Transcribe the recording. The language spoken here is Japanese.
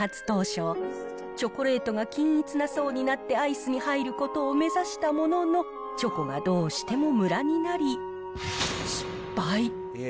当初、チョコレートが均一な層になってアイスに入ることを目指したものの、チョコがどうしてもむらになり、失敗。